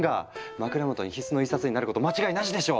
枕元に必須の１冊になること間違いなしでしょう！